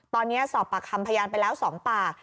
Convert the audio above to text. ตอนนี้สอบปากคำพยานไปแล้ว๒ปาก